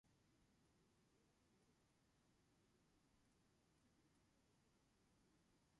Each member designed the outfit and look of a doll modelled after themselves.